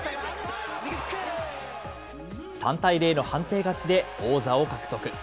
３対０の判定勝ちで王座を獲得。